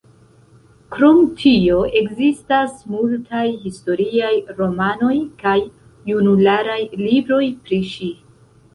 Krom tio ekzistas multaj historiaj romanoj kaj junularaj libroj pri ŝi.